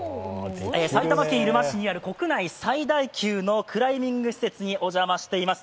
埼玉県入間市にある国内最大級のクライミング施設にお邪魔しております。